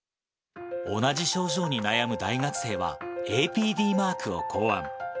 同じ症状に悩む大学生は、ＡＰＤマークを考案。